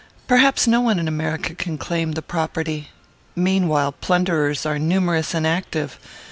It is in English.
Perhaps no one in America can claim the property. Meanwhile, plunderers are numerous and active.